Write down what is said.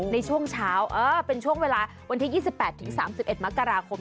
ในช่วงเช้าเป็นช่วงเวลาวันที่๒๘๓๑มกราคม